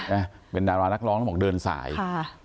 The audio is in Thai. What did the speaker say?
เนี้ยเป็นดารานักร้องก็บอกเดินสายค่ะ